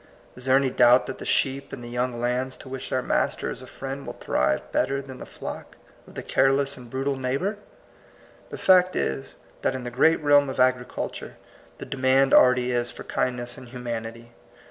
Is there any doubt that the sheep and the young lambs to which their master is a friend will thiive better than the flock of the careless and brutal neighbor? The fact is, that in the great realm of agricul ture the demand already is for kindness and humanity.